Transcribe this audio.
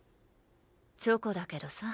チョコだけどさ。